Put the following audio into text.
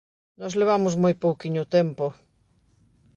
Nós levamos moi pouquiño tempo.